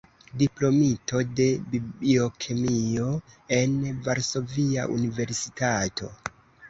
Diplomito de biokemio en Varsovia Universitato.